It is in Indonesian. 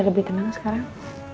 lebih tenang sekarang